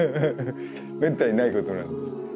めったにないことなんで。